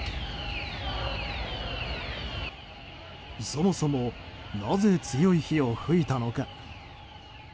そもそもなぜ強い火を噴いたのか。